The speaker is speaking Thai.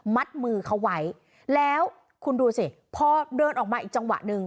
มัดมือเขาไว้แล้วคุณดูสิพอเดินออกมาอีกจังหวะหนึ่ง